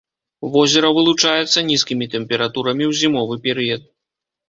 Возера вылучаецца нізкімі тэмпературамі ў зімовы перыяд.